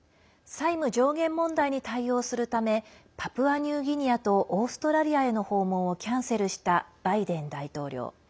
債務上限問題に対応するためパプアニューギニアとオーストラリアへの訪問をキャンセルしたバイデン大統領。